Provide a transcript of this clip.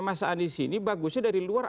mas andi sini bagusnya dari luar